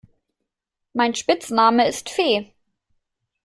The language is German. Mein Spitzname ist Fee.